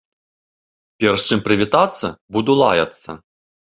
Перш чым прывітацца, буду лаяцца.